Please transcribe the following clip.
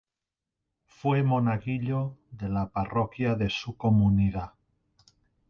Fue monaguillo de la parroquia de su comunidad.